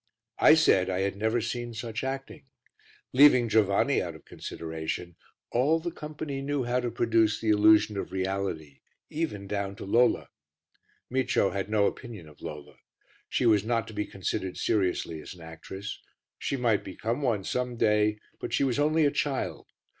I said I had never seen such acting; leaving Giovanni out of consideration, all the company knew how to produce the illusion of reality even down to Lola. Micio had no opinion of Lola. She was not to be considered seriously as an actress; she might become one some day, but she was only a child.